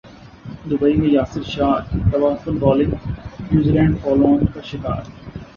Dubai میں یاسر شاہ کی تباہ کن bowling New Zealand follow on کا شکار